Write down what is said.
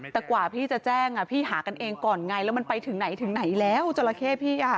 แต่กว่าพี่จะแจ้งพี่หากันเองก่อนไงแล้วมันไปถึงไหนถึงไหนแล้วจราเข้พี่อ่ะ